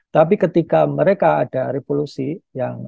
tapi ketika mereka ada revolusi yang